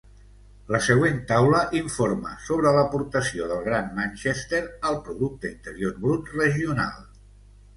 La següent taula informa sobre l'aportació del Gran Manchester al producte interior brut regional.